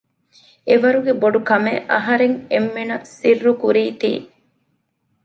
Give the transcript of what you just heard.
އެވަރުގެ ބޮޑުކަމެއް އަހަރެން އެންމެންނަށް ސިއްރުކުރީތީ